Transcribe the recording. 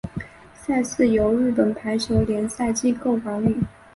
赛事由日本排球联赛机构管理。